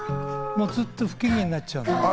ずっと不機嫌になっちゃう。